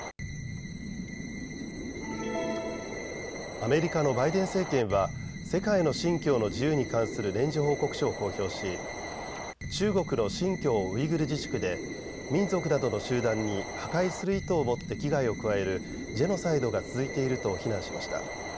アメリカのバイデン政権は世界の信教の自由に関する年次報告書を公表し中国の新疆ウイグル自治区で民族などの集団に破壊する意図を持って危害を加えるジェノサイドが続いていると非難しました。